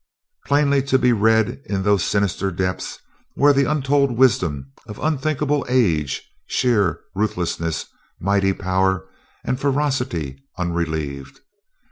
Plainly to be read in those sinister depths were the untold wisdom of unthinkable age, sheer ruthlessness, mighty power, and ferocity unrelieved.